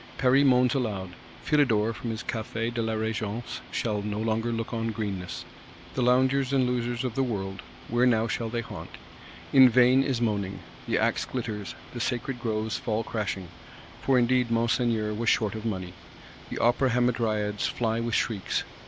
Paris moans aloud. Philidor, from his Café de la Regence, shall no longer look on greenness; the loungers and losels of the world, where now shall they haunt? In vain is moaning. The axe glitters; the sacred groves fall crashing,—for indeed Monseigneur was short of money: the Opera Hamadryads fly with shrieks.